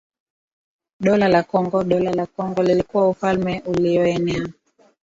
Dola la Kongo Dola la Kongo lilikuwa ufalme ulioenea